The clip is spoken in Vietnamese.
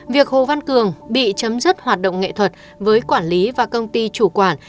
việc hồ văn cường bị chấm dứt hoạt động nghệ thuật với quản lý và công ty chủ quản